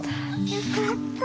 よかった。